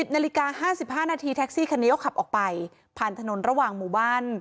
นาฬิกา๕๕นาทีแท็กซี่คันนี้เขาขับออกไปผ่านถนนระหว่างหมู่บ้าน